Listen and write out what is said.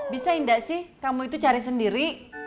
bisa nggak sih kamu itu cari sendiri